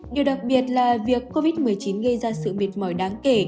điều đặc biệt là việc covid một mươi chín gây ra sự mệt mỏi đáng kể